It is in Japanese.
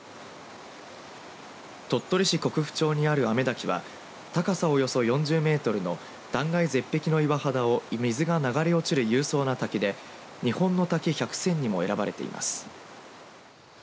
鳥取市国府町にある雨滝は高さおよそ４０メートルの断崖絶壁の岩肌を水が流れ落ちる勇壮な滝で日本の滝百選にも選ばれています。